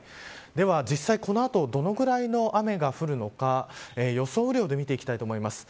では実際、この後どのぐらいの雨が降るのか予想雨量で見ていきたいと思います。